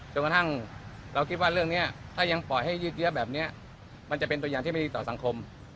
กระทั่งเราคิดว่าเรื่องนี้ถ้ายังปล่อยให้ยืดเยอะแบบนี้มันจะเป็นตัวอย่างที่ไม่ดีต่อสังคม